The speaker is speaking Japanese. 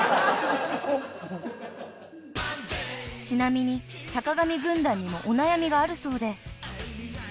［ちなみに坂上軍団にもお悩みがあるそうで］